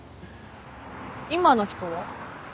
今の人は？え？